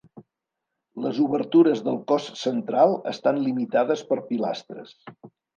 Les obertures del cos central estan limitades per pilastres.